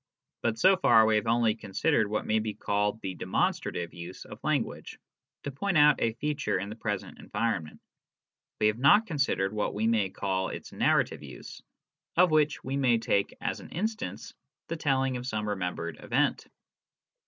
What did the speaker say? But so far we have only considered what may be called the " demonstrative " use of language to point out a feature in the present environment, we have not considered what we may call its " narrative " use, of which we may take as an instance the telling of some remembered event.